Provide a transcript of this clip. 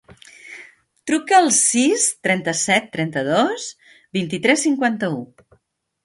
Truca al sis, trenta-set, trenta-dos, vint-i-tres, cinquanta-u.